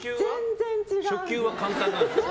初級は簡単なんですか？